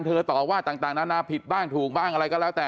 ต่อว่าต่างนานาผิดบ้างถูกบ้างอะไรก็แล้วแต่